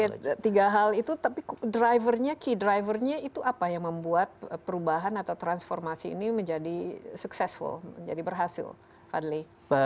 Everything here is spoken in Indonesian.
jadi tiga hal itu tapi driver nya key driver nya itu apa yang membuat perubahan atau transformasi ini menjadi suksesful menjadi berhasil fadli